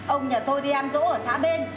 ông nhà tôi đi ăn rỗ ở xã bên